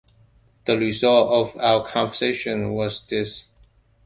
The result of our conversation was this.